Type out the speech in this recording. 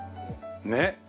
ねっ？